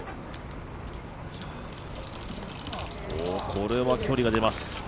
これは距離が出ます。